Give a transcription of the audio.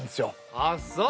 あっそう